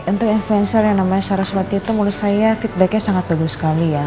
untuk influencer yang namanya sarah subati itu menurut saya feedback nya sangat bagus sekali ya